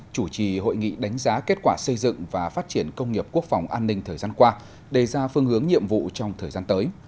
chủ trì hội nghị đánh giá kết quả xây dựng và phát triển công nghiệp quốc phòng an ninh thời gian qua đề ra phương hướng nhiệm vụ trong thời gian tới